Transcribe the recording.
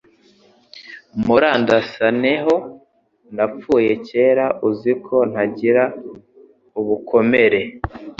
Murandasane ho napfuye kera Uzi ko ntagira ubukomere,